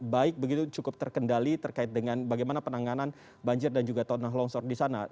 baik begitu cukup terkendali terkait dengan bagaimana penanganan banjir dan juga tanah longsor di sana